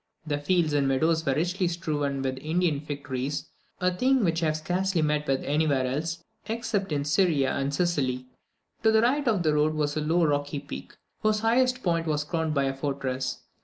The fields and meadows were richly strewed with Indian fig trees, a thing which I have scarcely met with anywhere else, except in Syria and Sicily; to the right of the road was a low rocky peak, whose highest point was crowned by a fortress.